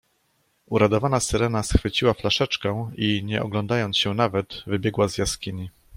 "Uradowana Syrena schwyciła flaszeczkę i, nie oglądając się nawet, wybiegła z jaskini."